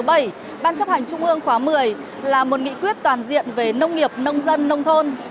ban chấp hành trung ương khóa một mươi là một nghị quyết toàn diện về nông nghiệp nông dân nông thôn